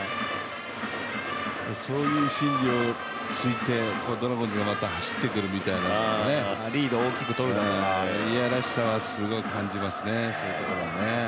そういう心理を突いて、ドラゴンズがまた走ってくるといういやらしさはすごく感じますね、そういうところ。